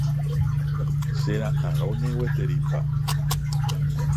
Chera'ãrõne gueterípa.